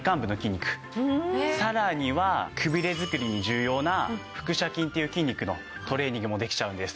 さらにはくびれづくりに重要な腹斜筋という筋肉のトレーニングもできちゃうんです。